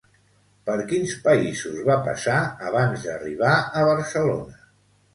Per quins països va passar abans d'arribar a Barcelona?